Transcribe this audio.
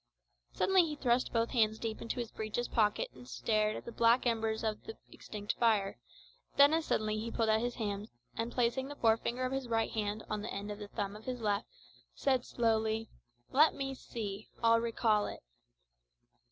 Suddenly he thrust both hands deep into his breeches pockets and stared at the black embers of the extinct fire; then as suddenly he pulled out his hands, and placing the forefinger of his right hand on the end of the thumb of his left, said slowly "Let me see I'll recall it."